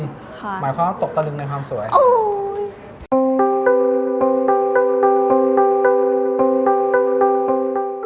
หมายความว่าตกตะลึงในความสวย